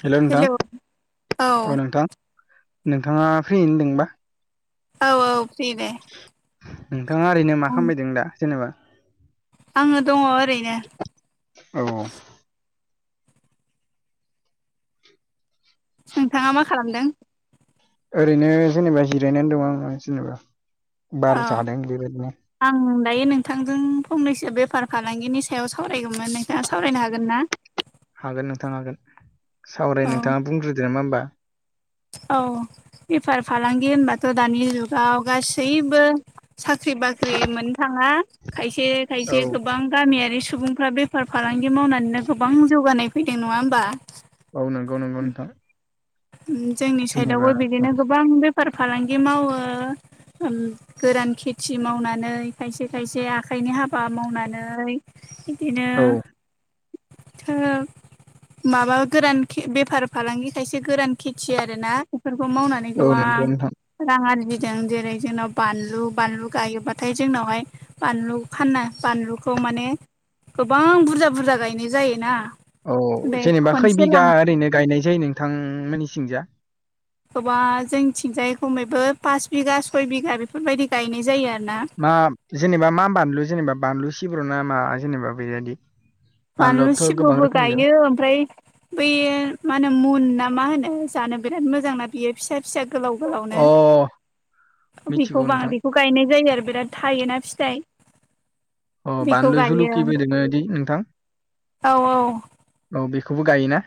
हेल' नोंथां हेलौ औ नोंथां नोंथाङा फ्रियैनो दोंबा औ औ फ्रि दे नोंथाङा ओरैनो मा खालामबाय दं दा जेनेबा आङो दङ' ओरैनो औ नोंथाङा मा खालामदों ओरैनो जेनेबा जिरायनानै दं आं जेनेबा औ बार जादों बेबायदिनो आं दायो नोंथांजों फंनैसो बेफार फालांगिनि सायाव सावरायगौमोन नोंथाङा सावरायनो हागोन ना हागोन नोंथां हागोन सावराय, औ नोंथाङा बुंग्रोदो नोमा ओमबा औ बेफार फालांगि होनबाथ' दानि जुगाव गासैबो साख्रि बाख्रि मोननो थाङा। खायसे औ खायसे गोब गोबां गामियारि सुबुंफ्रा बेफार फालांगि मावनानैनो गोबां जौगानाय फैदों नङा होमबा? औ नोंगौ नंगौ नोंथां। उम जोंनि जेनेबा साइदावबो बिदिनो गोबां बेफार फालांगि मावो। उम गोरान खेथि मावनानै खायसे खायसे आखाइनि हाबा मावनानै बिदिनो औ माबा गोरान बेफार फालांगि खायसे एसे गोरान खेथि आरोना बेफोरखौ मावनानै औ गोबां नंगौ नोंथां रां आरजिदों जेरै जोंनाव बानलु बानलु गायोबाथाय जोंनावहाय बानलु फाननो बानलुखौ माने गोबां बुरजा बुरजा गायनाय जायोना। औ बे जेनेबा खै खनसे लां बिगा ओरैनो गायनाय जायो नोंथांमोननि थिंजा? गोबा जोंनिथिंजाय खमैबो पास बिगा सय बिगा बेफोरबायदि गायनाय जायो आरो ना। ओ जेनेबा मा बानलु जेनेबा बानलु सिब्र' ना मा? जेनेबा बेबायदि बानलु बानलुआबोथ' गोबां सिब्रबो रोखोम दं गायो। ओमफ्राय बै मा होनो मुन ना मा होनो जानो बिराद मोजां ना। बियो फिसा फिसा गोलाव गोलावनो अ बिखौ मिथिगौ नोंथां खौ गायनाय जायो आरो बिराद थायोना फिथाइ। अ बेखौ बानलु गायो जुलुकि बायदि नोंथां? औ औ औ बेखौबो गायोना?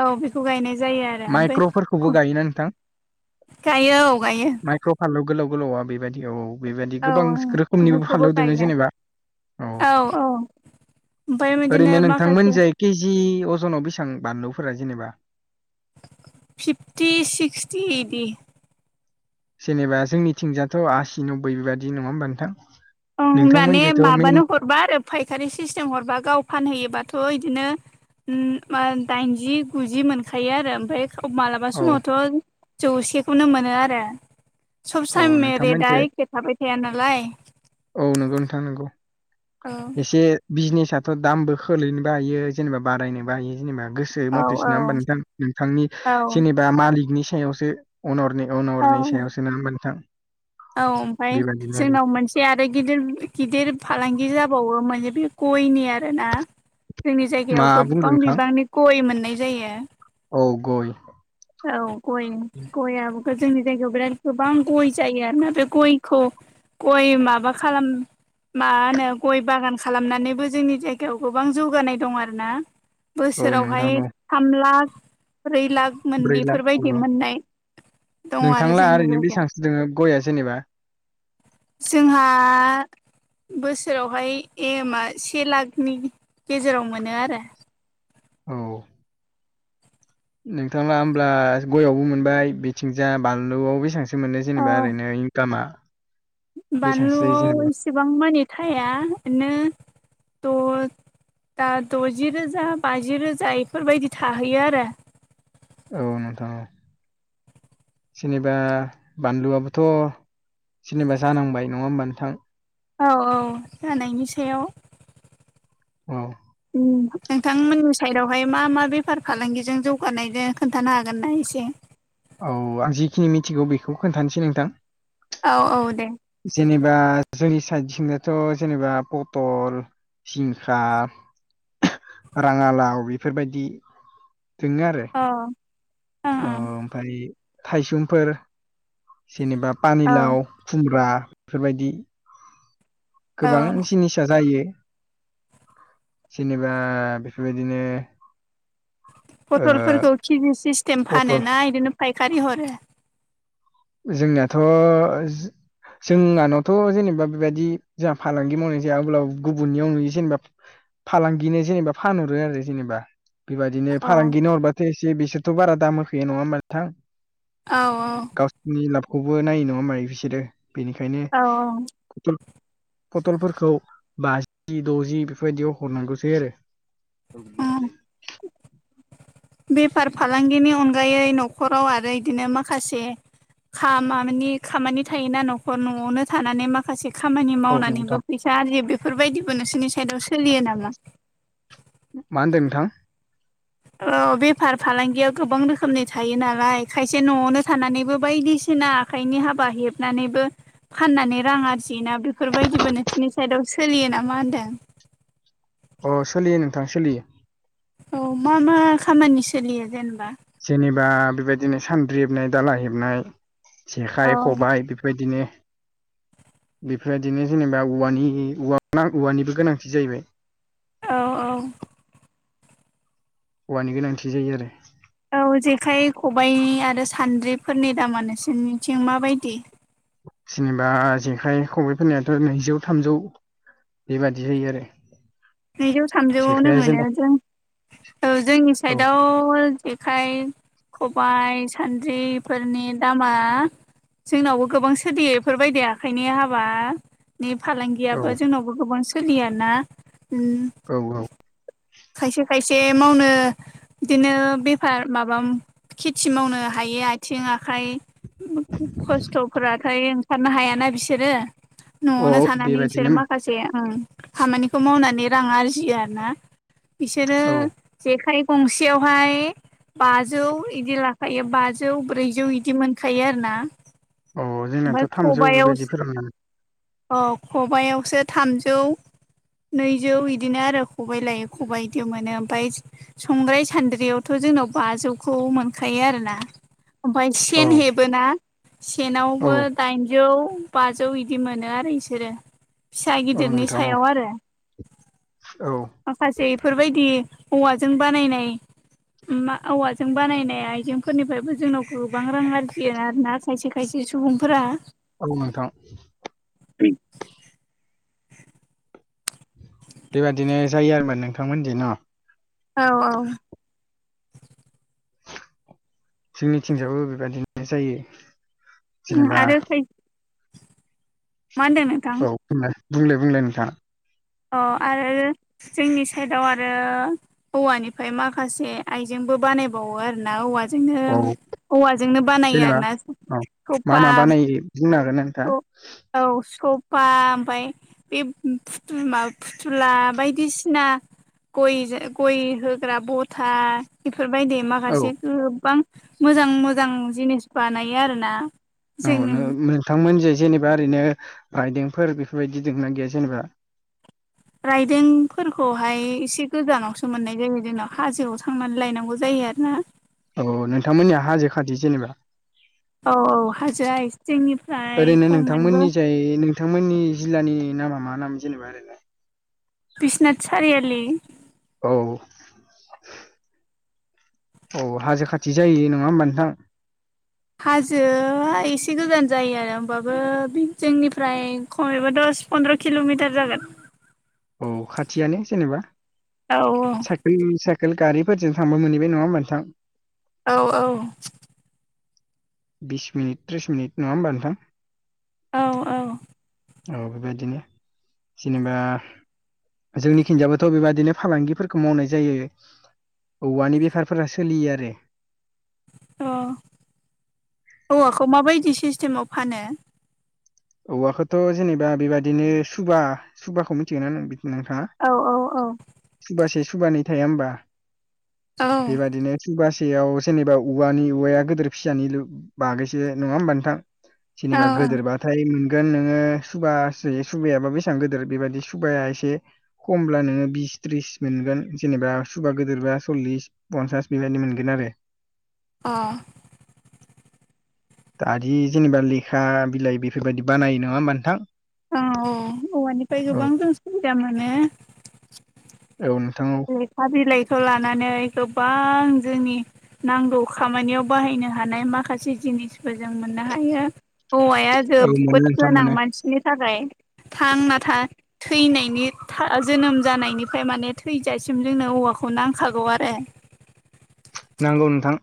औ बेखौ गायनाय जायो आरो ओमफाय माइक्र'फोरखौबो गायोना नोंथां [unintelligible] गायो औ गायो। माइक्र' फानलौ गोलाव गोलावा बेबायदिआव बेबायदि औ गोबां रोखोमनिबो बेफोरखौबो फानलौ दोङो गायो जेनेबा। औ औ ओमफ्राय बिदिनो ओरैनो नोंथांमोन माखासे जाय केजि अजनाव बेसां बानलुफोरा जेनेबा? फिफ्टि सिक्सटि इदि। जेनेबा जोंनिथिंजाथ' आसि नबबै बेबायदि नङा होमबा नोंथां? ओं माने नोंथांमोनजोंथ' मेन माबानो हरबा आरो फायखारि सिस्टेम हरबा गाव फानहैयोबाथ' इदिनो उम दाइनजि गुजि मोनखायो आरो ओमफ्राय खौ मालाबा औ समावथ' जौसेखौनो मोनो आरो। सब औ सायममे रेदआ नोंथांमोनजों एखे थाबाय थाया नालाय औ नोंगौ नोंथां नंगौ। औ एसे बिजनेसआथ' दामबो खोलैनोबो हायो जेनेबा बारायनोबो हायो। जेनेबा गोसो मथेस औ नङा होमबा नोंथां नोंथांनि औ जेनेबा मालिकनि सायावसो अनरनि अनरनि सायावसो नङा होमबा नोंथां। औ ओमफाय बेबायदिनो आरो जोंनाव मोन जे आरो गिदिर गिदिर फालांगि जाबावोमोन जे बे गयनि आरो ना। जोंनि जायगायाव मा बुंदों गोबां नोंथां बिबांनि गय मोननाय जायो। औ गय। औ गयनि गयाबोथ' जोंनि जायगायाव बिराद गोबां गय जायो आरोना बे गयखौ गय माबा खालाम मा होनो गय बागान खालामनानैबो जोंनि जायगायाव गोबां जौगानाय दं आरो ना। औ नोंथां बोसोरावहाय औ थाम लाख ब्रै लाख। ब्रै मोननै लाख इफोरबायदि औ मोननाय दङ आरो जोंनि जायगायाव। जोङो गया जेनेबा जोंहा बोसोरावहाय एमआ से लाखनि गेजेराव मोनो आरो। औ नोंथाङा होमब्ला गयावबो मोनबाय बिथिंजा बानलुआव बेसांसो मोनो जेनेबा औ ओरैनो इंकामा बानलुआव इसेबां मानि थायानो द दा द'जि रोजा बाजि रोजा इफोरबायदि थाहैयो आरो औ नोंथां औ जेनेबा बानलुआबोथ जेननिबा जानांबाय नङा होमबा नोंथां औ औ जानायनि सायाव औ उम नोंथांमोननि साइदावहाय मा मा बेफार फालांगिजों जौगानाय दोङो खोन्थानो हागोनना एसे औ आं जिखिनि मिथिगौ बेखौ खोन्थानोसै नोंथां औ औ दे जेनेबा जोंनि साइडथिंनाथ जेनेबा पटल जिंखा राङालाव बेफोरबायदि दोङो आरो अ ओ ओमफ्राय थायसुमफोर जेनेबा औ पानिलाव सुमब्रा बेफोरबायदि औ गोबां जिनिसा जायो जेनेबा बेफोरबायदिनो ओ पथलफोरखौ केजि सिस्टेम फानो पटल ना बिदिनो फायखारि हरो जोंनियाथ जोंहानावथ जेनेबा बेबायदि जोंहा फालांगि मावनाय जाया अब्लाबो गुबुननियाव नुयो जेनेबा फालांगिनो जेनेबा फानहरो आरो जेनेबा बेबायदिनो औ फालांगिनो हरबाथ एसे बिसोरथ बारा दाम होफैयो नङा होनोमबा नोंथां औ औ नि लाबखौबो नायो नङा होमबा बिसोरो औ बेनिखायनोथ फटलफोरखौ बाजि द'जि बेफोरबायदियाव हरनांगौ जायो आरो [inaudible] बेफार फालांगिनि अनगायै न'खराव आरो इदिनो माखासे खामानि खामानि थायोना न'खर न'आवनो थानानै मा खासे खामानि औ नोंथां मावनानैबो फैसा आरजियो बेफोरबायदिबो नोंसोरनि साइदआव सोलियो नामा मा होनदो नोंथां औ बेफार फालांगियाव गोबां रोखोमनि थायो नालाय खायसे न'आवनो थानानैबो बायदिसिना आखाइनि हाबा हेबनानैबो फाननानै रां आरजियोना बेफोरबायदिबो नोंसोरनि साइदआव सोलियो नामा होनदों अ सोलियो नोंथां सोलियो औ मा मा खामानि सोलियो जेनेबा जेनेबा बेबायदिनो सान्द्रि हेबनाय दाला हेबनाय औ जेखाइ खबाइ बेफोर बायदिनो बेफोरबायदिनो जेनेबा औवानि औवानिबो गोनांथि जाहैबाय औ औ औवानि गोनांथि जायो आरो औ जेखाइ खबाइ आरो सान्द्रिफोरनि दामा नोंसोरनिथिं माबायदि जेनेबा जेखाइ खबाइ फोरनियाथ नैजौ थामजौ बेबादि जायो आरो नैजौ थामजौआवनो जेखाइआ जोंना मोनो जों ओ जोंनि औ साइदआव जेखाइ खबाइ सान्द्रिफोरनि दामा जोंनावबो गोबां सोलियो इफोरबायदि आखाइनि हाबा नि औ फालांगियाबो जोंनावबो गोबां सोलियाना उम औ औ खायसे खायसे मावनो बिदिनो बेफार माबा खेथि मावनो हायो आथिं आखाइ खस्थ'फोराथाय ओंखारनो हायाना बिसोरो न'आवनो औ थानानै बिसोर बेबादिनो माखासे से ओं खामानिखौ मावनानै रां आरजियो आरो ना बिसोरो औ जेखाइ गंसेयावहाय बाजौ बिदि लाखायो बाजौ ब्रैजौ बिदि मोनखायो आरोना अ जोंनाथ' थामजौ बेबायदि फोरावनो मोनो अ खबाइयावसो थामजौ नैजौ बिदिनो आरो खबाइ लायै खबाइ बिदि मोनो ओमफाय संग्राय सान्द्रियावथ' जोंनाव बाजौखौ मोनखायो आरोना ओमफाय औ सेन हेबोना औ सेनावबो दाइनजौ बाजौ बिदि मोनो आरो बिसोरो फिसा औ गिदिरनि नोंथां औ सायाव आरो औ माखासे इफोरबायदि औवाजों बानायनाय औवाजों बानायनाय आइजेंफोरनिफ्रायबो जोंनाव गोबां रां आरजियो आरो ना खायसे खायसे सुबुंफोरा औ नोंथां [inaudible] बेबदिनो जायो आरोबा नोंथांमोनथिं न' औ औ जोंनिथिंजायावबो बेबायदिनो जायो जेनेबा आरो खाय मा होनदों नोंथां औ बुंलाय बुंलाय बुंलाय नोंथाङा अ आरो जोंनि साइदआव आरो औवानिफ्राय माखासे आइजेंबो बानायबावो आरो ना औवा जोंनो औ औवाजोंनो बानायो जेनेबा आरो ना औ मा सफा मा बानायो बुंनो हागोननो औ औ सफा ओमफाय बे फु मा फुथुला बायदिसिना गय गय होग्रा बथा बेफोरबायदि औ माखासे गोबां मोजां मोजां जिनिस बानायो आरोना औ जोंनि नोंथांमोन जे जेनेबा ओरैनो आइजेंफोर बेफोरबायदि दंना गैया जेनेबा राइदोंफोरखौहाय एसे गोजानावसो मोननाय जायो जोंनाव हाजोआव थांनानै लायनांगौ जायो आरो ना औ नोंथांमोननिया हाजो खाथि जेनेबा औ औ हाजोआ जोंनिफ्राय ओरैनो खमैबो [unintelligible] नोंथांमोननि जिल्लानि नामा मा नाम जेनेबा ओरैनो बिस्नाथ सारिआलि औ औ हाजो खाथि जायो नङा होमबा नोंथां हाजोआ एसे गोजान जायो आरो होमबाबो जोंनिफ्राय खमैबा दस पन्द्र किल'मिटार जागोन औ खाथियानो जेनेबा औ साइकेल साइकेल गारिफोरजों थांबा मोनहैबाय नङा होमबा नोंथां औ औ बिस मिनिट त्रिस मिनिट नङा होमबा नोंथां औ औ औ बेबायदिनो जेनेबा जोंनि थिंजाबोथ' बेबायदिनो फालांगि फोरखौ मावनाय जायो औवानि बेफारफोरा सोलियो आरो अ औवाखौ माबायदि सिस्टेमाव फानो औवाखौथ' जेनेबा बेबादिनो सुबा सुबाखौ मिथिगोना नोंथाङा औ औ औ सुबासे सुबानै थाया होमबा औ बेबादिनो सुबासेयाव जेनेबा औवानि औवाया गिदिर फिसानि बागैसो नङा होमबा नोंथां जेनेबा गेदेर औ बा थाय मोनगोन नोङो सुबा सुबायाबा बेसेबां गिदिर बेबायदि सुबाया एसे खमब्ला नोङो बिस थ्रिस मोनगोन जेनेबा सुबा गिदिर बा सल्लिस पन्सास बेबायदि मोनगोन आरो अ दादि जेनेबा लेखा बिलाइ बेफोरबायदि बानायो नङा होमबा नोंथां औ औ औवानिफ्राय औ गोबां जों सुबिदा मोनो औ नोंथां औ लेखा बिलाइखौ लानानै गोबां जोंनि नांगौ खामानियाव बाहायनो हानाय माखासे जिनिसफोर जों मोननो हायो औवाया औ मोनो जोबोद नोंथां गोनां मोनो मानसि नि थाखाय थांना था थैनायनि जोनोम जानायनिफ्राय माने थैजासिम जोंनो औवाखौ नांखागौ आरो नांगौ नोंथां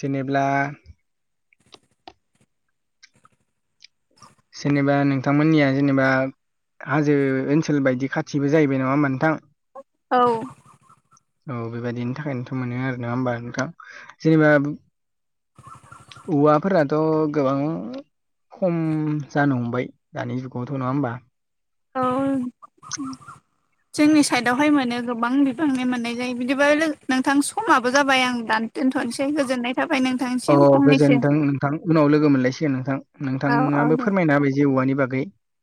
जेनेब्ला जेनेबा नोंथांमोननिया जेनेबा हाजो ओनसोल बायदि खाथिबो जाहैबाय नङा होमबा नोंथां औ औ बेबायदिनि थाखायनोंथ' मोनो आरो नङा होमबा नोंथां जेनेबा औवाफोरा थ' गोबां खम जानो हमबाय दानि जुगावथ' नङा होमबा औ जोंनि साइडावहाय मोनो गोबां बिफांनि मोननाय जायो बिदिबा नोंथां समाबो जाबाय आं दान दोनथ'नोसै गोजोननाय थाबाय अ नोंथांनिसिम फंनैसो गोजोनथों नोंथां उनाव लोगो मोनलायसिगोन नोंथां औ औ नोंथाङाबो दे फोरमायना होबाय जे औवानि बागै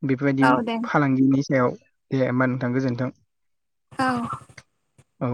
बेफोरबायदि औ दे फालांगिनि सायाव दे होमबा नोंथां गोजोन्थों औ औ